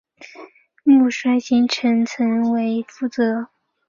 木栓形成层为负责周皮发展的分生组织层。